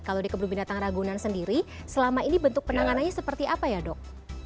kalau di kebun binatang ragunan sendiri selama ini bentuk penanganannya seperti apa ya dok